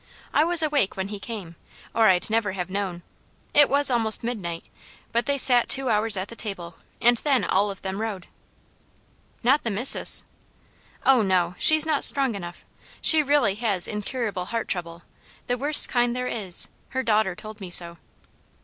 I was awake when he came, or I'd never have known. It was almost midnight; but they sat two hours at the table, and then all of them rode." "Not the Missus?" "Oh no! She's not strong enough. She really has incurable heart trouble, the worst kind there is; her daughter told me so."